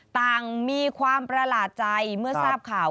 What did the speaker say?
ต่างมีความประหลาดใจเมื่อทราบข่าว